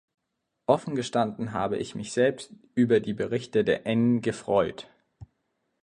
Offen gestanden habe ich mich selbst über die Berichte der Ngefreut.